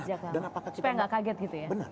sejak lama supaya nggak kaget gitu ya